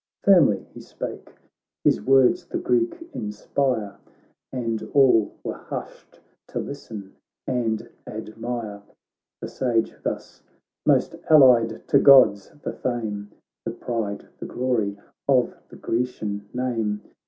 Firmly he spake, his words the Greek inspire, And all were hushed to listen and admire. The Sage thus :' Most Allied to Gods ! the fame. The pride, the glory of the Grecian name.